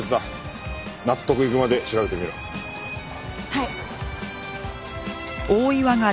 はい。